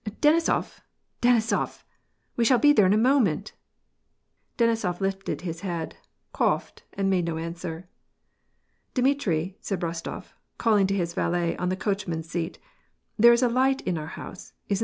— Denisof ! Denisof ! We shall be there in a moment !" Denisof lifted his head, coughed, and made no answer. "Dmitri," said Rostof, calling to his valet on the coachmen's seat, "There's a light in our house, isn't there